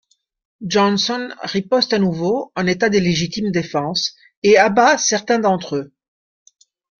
Johnson riposte à nouveau en état de légitime défense et abat certains d'entre eux.